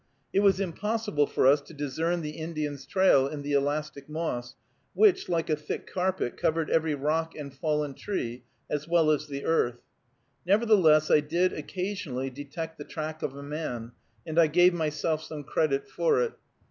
It was impossible for us to discern the Indian's trail in the elastic moss, which, like a thick carpet, covered every rock and fallen tree, as well as the earth. Nevertheless, I did occasionally detect the track of a man, and I gave myself some credit for it.